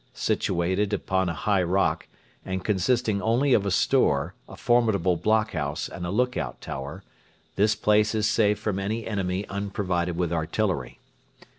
Situate upon a high rock, and consisting only of a store, a formidable blockhouse, and a lookout tower, this place is safe from any enemy unprovided with artillery.